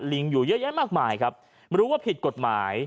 อยู่เยอะแยะมากมายครับรู้ว่าผิดกฎหมาย